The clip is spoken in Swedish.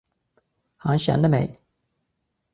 Han känner mig.